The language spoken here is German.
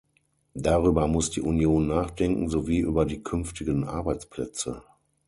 Darüber muss die Union nachdenken sowie über die künftigen Arbeitsplätze.